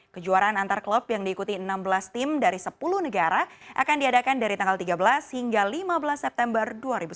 kejuaraan antar klub yang diikuti enam belas tim dari sepuluh negara akan diadakan dari tanggal tiga belas hingga lima belas september dua ribu sembilan belas